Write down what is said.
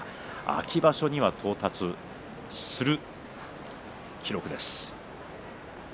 秋場所には到達する記録です。